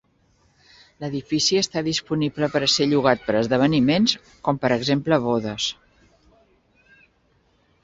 L'edifici està disponible per a ser llogat per a esdeveniments, com per exemple bodes.